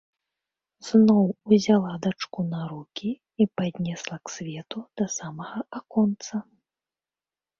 Зноў узяла дачку на рукі і паднесла к свету да самага аконца.